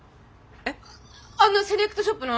あのセレクトショップの？